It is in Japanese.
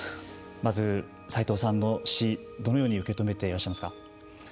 まず、さいとうさんの死どのように受け止めていらっしゃいますか。